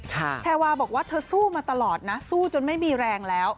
แพรวาบอกว่าเธอสู้มาตลอดนะสู้จนไม่มีแรงแล้ว